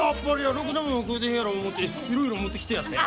ろくなもん食うてへんやろ思うていろいろ持ってきてやったんや。